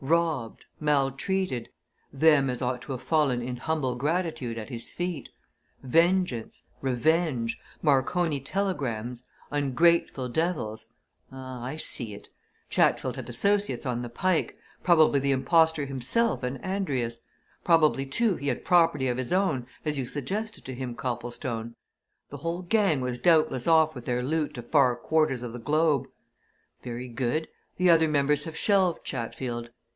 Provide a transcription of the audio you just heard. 'Robbed' 'maltreated' 'them as ought to have fallen in humble gratitude at his feet' 'vengeance' 'revenge' 'Marconi telegrams' 'ungrateful devils' ah, I see it! Chatfield had associates on the Pike probably the impostor himself and Andrius probably, too, he had property of his own, as you suggested to him, Copplestone. The whole gang was doubtless off with their loot to far quarters of the globe. Very good the other members have shelved Chatfield.